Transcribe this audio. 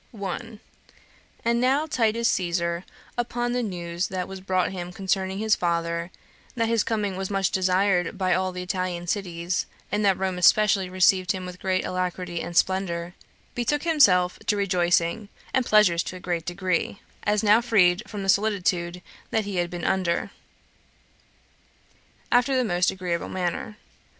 1. And now Titus Caesar, upon the news that was brought him concerning his father, that his coming was much desired by all the Italian cities, and that Rome especially received him with great alacrity and splendor, betook himself to rejoicing and pleasures to a great degree, as now freed from the solicitude he had been under, after the most agreeable manner.